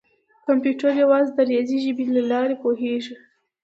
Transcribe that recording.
کمپیوټر یوازې د ریاضي ژبې له لارې پوهېږي.